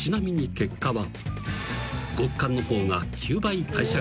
［結果は］